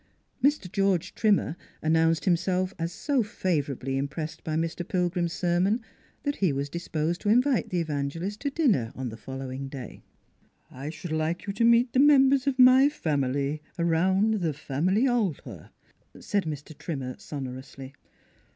Mr. George Trimmer announced himself as so favorably impressed by Mr. Pilgrim's sermon that he was disposed to invite the evangelist to dinner on the following day. " I should like you to meet the members of my family around the family altar," said Mr. Trimmer sonorously.